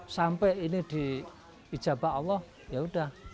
kalau ini dijabah allah ya sudah